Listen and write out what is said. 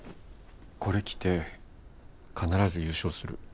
これ着て必ず優勝する。